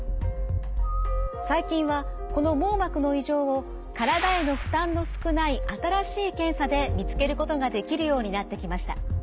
最近はこの網膜の異常を体への負担の少ない新しい検査で見つけることができるようになってきました。